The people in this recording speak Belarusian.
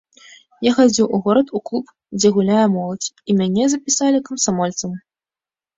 Я хадзіў у горад, у клуб, дзе гуляе моладзь, і мяне запісалі камсамольцам.